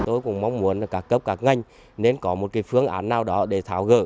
tôi cũng mong muốn là các cấp các ngành nên có một phương án nào đó để tháo gỡ